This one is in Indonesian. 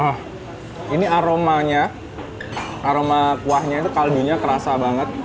wah ini aromanya aroma kuahnya itu kaldu nya kerasa banget